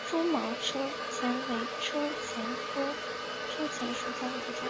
蛛毛车前为车前科车前属下的一个种。